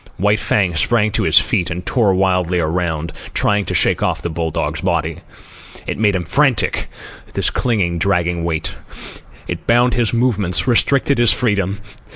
White Fang sprang to his feet and tore wildly around, trying to shake off the bull dog's body. It made him frantic, this clinging, dragging weight. It bound his movements, restricted his freedom.